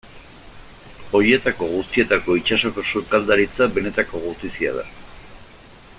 Horietako guztietako itsasoko sukaldaritza benetako gutizia da.